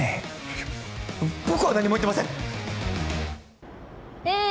いや僕は何も言ってませんえっ